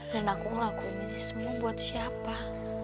dan aku ngelakuin ini semua buat siapa